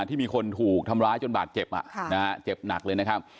ที่มีคนถูกทำร้ายจนบาดเจ็บเจ็บหนักเลยนะครับ